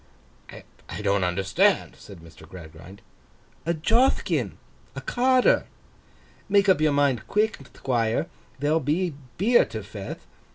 'I don't understand,' said Mr. Gradgrind. 'A Jothkin—a Carter. Make up your mind quick, Thquire. There'll be beer to feth.